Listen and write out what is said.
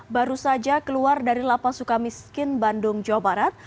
baru saja keluar dari lapas suka miskin bandung jawa barat